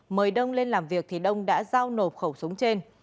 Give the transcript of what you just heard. mời đông lên làm việc thì đông đã giao nộp khẩu súng trên